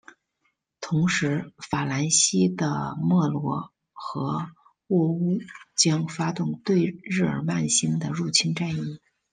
同时法兰西的莫罗和喔戌将发动对日耳曼新的入侵战役。